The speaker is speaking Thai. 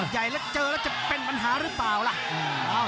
ใหญ่แล้วเจอแล้วจะเป็นปัญหาหรือเปล่าล่ะ